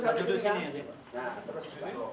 terus di sini